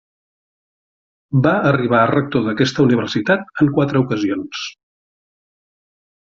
Va arribar a rector d'aquesta universitat en quatre ocasions.